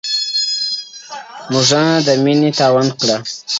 • مونږه د مینې تاوانونه کړي ..